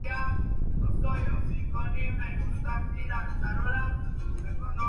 El trío, se une para la Aprehensión de Criminales y Resolución de Casos.